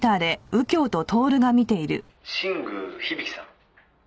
「新宮響さん」